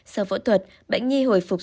sau phẫu thuật bệnh nhi hồi phục